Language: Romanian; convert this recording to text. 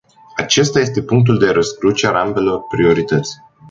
Acesta este punctul de răscruce al ambelor priorități.